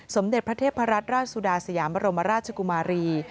สมเด็จพระเทพรัตนราชสุดาสยามบรมราชกุมารี